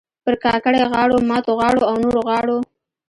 پر کاکړۍ غاړو، ماتو غاړو او نورو غاړو